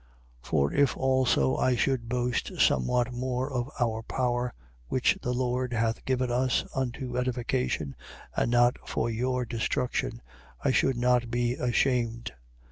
10:8. For if also I should boast somewhat more of our power, which the Lord hath given us unto edification and not for your destruction, I should not be ashamed.